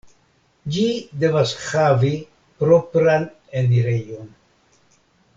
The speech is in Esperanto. Ĝi devas havi propran enirejon.